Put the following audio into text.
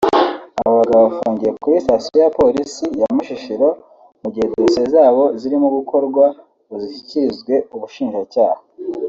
Aba bagabo bafungiwe kuri Sitasiyo ya Polisi ya Mushishiro mu gihe Dosiye zabo zirimo gukorwa ngo zishyikirizwe Ubushinjacyaha